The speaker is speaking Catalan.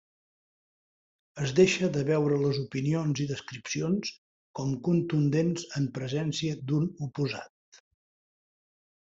Es deixa de veure les opinions i descripcions com contundents en presència d'un oposat.